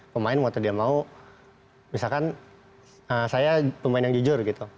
pemain waktu dia mau misalkan saya pemain yang jujur gitu